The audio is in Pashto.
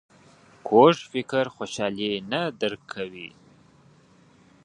کوږ فکر خوشحالي نه درک کوي